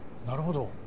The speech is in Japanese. なるほど。